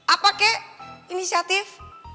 apa kek inisiatif